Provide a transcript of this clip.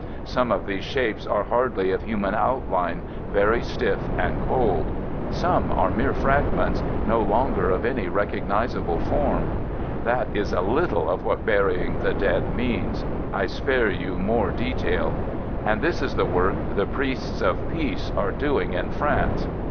Some of these shapes are hardly of human outline, very stiff and cold. Some are mere fragments, FIELD SERVICE 129 no longer of any recognizable form. That is a little of what burying the dead means. I spare you more detail. And this is the work the priests of Peace are doing in France.